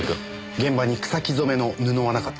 現場に草木染めの布はなかった？